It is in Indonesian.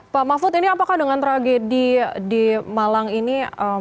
pak mahfud ini apakah dengan tragedi di malang ini